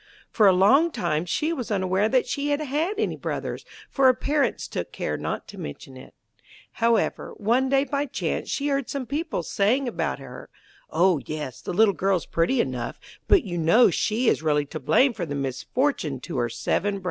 For a long time she was unaware that she had had any brothers, for her parents took care not to mention it. However, one day by chance she heard some people saying about her: 'Oh yes, the girl's pretty enough; but you know she is really to blame for the misfortune to her seven brothers.'